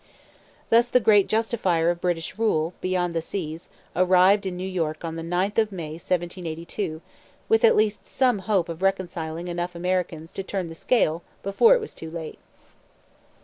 Thus the great justifier of British rule beyond the seas arrived in New York on the 9th of May 1782 with at least some hope of reconciling enough Americans to turn the scale before it was too late.